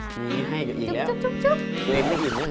เกรงไม่ดินนะให้กับทุกคน